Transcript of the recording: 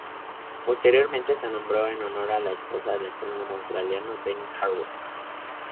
Posteriormente se nombró en honor de la esposa del astrónomo australiano Dennis Harwood.